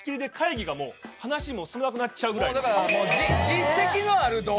実績のある動画。